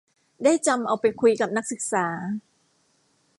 ได้จำเอาไปคุยกับนักศึกษา